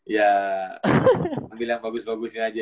ya ambil yang bagus bagusin aja ya